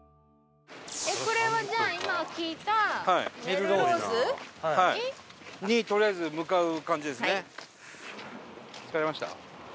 えっこれはじゃあ今聞いたメルローズに？にとりあえず向かう感じですね。